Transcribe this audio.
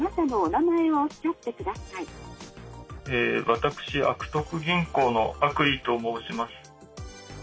私悪徳銀行の悪意と申します。